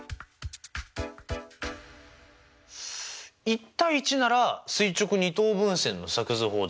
１：１なら垂直二等分線の作図法でねえ？